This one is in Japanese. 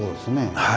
はい。